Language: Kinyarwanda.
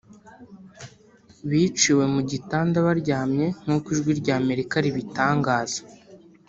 biciwe mu gitanda baryamye nk’uko Ijwi rya Amerika ribitangaza